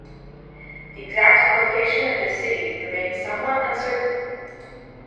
The exact location of this city remains somewhat uncertain.